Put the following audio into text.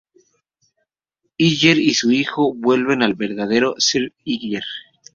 Iyer y su hijo vuelven al verdadero Sr. Iyer.